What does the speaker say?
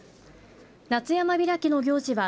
夏山開きの行事は。